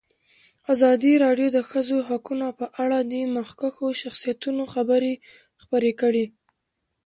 ازادي راډیو د د ښځو حقونه په اړه د مخکښو شخصیتونو خبرې خپرې کړي.